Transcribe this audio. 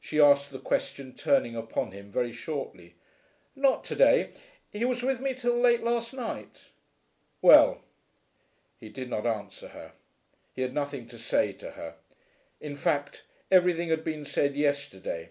she asked the question turning upon him very shortly. "Not to day. He was with me till late last night." "Well." He did not answer her. He had nothing to say to her. In fact everything had been said yesterday.